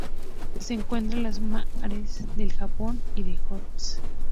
Se encuentra en los mares del Japón y de Ojotsk.